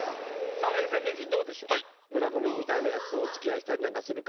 さあ永世名人どうでしょう？